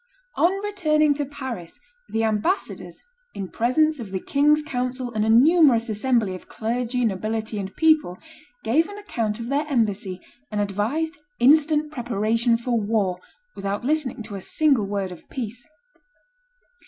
On returning to Paris the ambassadors, in presence of the king's council and a numerous assembly of clergy, nobility, and people, gave an account of their embassy and advised instant preparation for war without listening to a single word of peace.